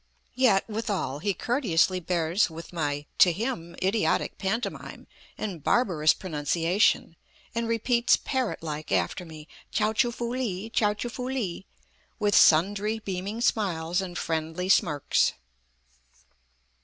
Yet, withal, he courteously bears with my, to him, idiotic pantomime and barbarous pronunciation, and repeats parrot like after me "Chao choo foo li; Chao choo foo li" with sundry beaming smiles and friendly smirks.